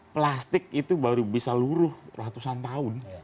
plastik itu baru bisa luruh ratusan tahun